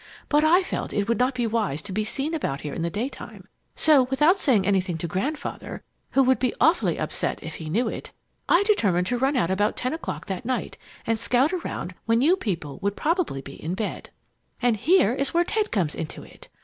But I felt it would not be wise to be seen about here in the daytime, so, without saying anything to Grandfather (who would be awfully upset if he knew it), I determined to run out about ten o'clock that night and scout around when you people would probably be in bed. "And here is where Ted comes into it!